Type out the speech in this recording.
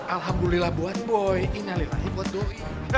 alhamdulillah buat boy innalillahi watuwi